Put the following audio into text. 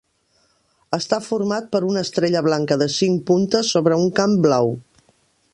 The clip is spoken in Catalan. Està format per una estrella blanca de cinc puntes sobre un camp blau.